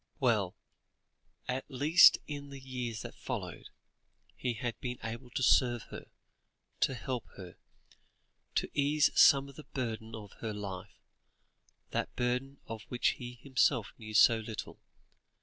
Well! at least in the years that followed, he had been able to serve her, to help her, to ease some of the burden of her life, that burden of which he himself knew so little.